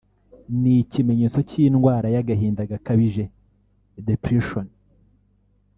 ni ikimenyetso cy’indwara y’agahinda gakabije (depression)